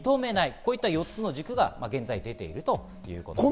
こういった４つの軸が現在出ているということです。